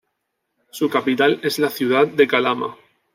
Su capital es la ciudad de Calama.